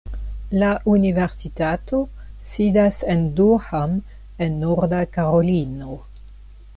La universitato sidas en Durham en Norda Karolino.